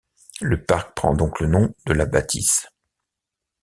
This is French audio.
Le parc prend donc le nom de la bâtisse.